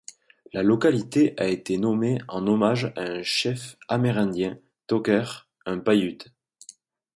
La localité a été nommée en hommage au chef amérindien Toquer, un Païute.